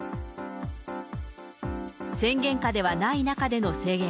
宣言下ではない中での制限。